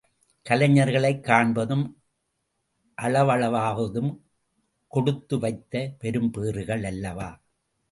கலைஞர்களைக் காண்பதும் அளவளாவுவதும் கொடுத்து வைத்த பெரும்பேறுகள் அல்லவா?